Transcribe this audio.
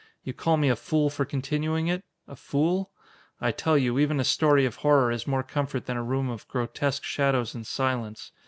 You call me a fool for continuing it? A fool? I tell you, even a story of horror is more comfort than a room of grotesque shadows and silence.